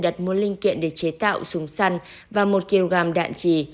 đặt mua linh kiện để chế tạo súng săn và một kiều gàm đạn chỉ